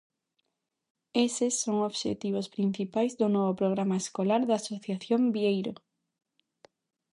Eses son obxectivos principais do novo programa escolar da asociación Vieiro.